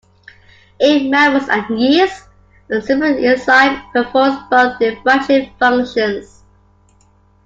In mammals and yeast, a single enzyme performs both debranching functions.